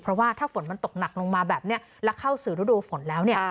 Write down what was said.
เพราะว่าถ้าฝนมันตกหนักลงมาแบบนี้แล้วเข้าสู่ฤดูฝนแล้วเนี่ย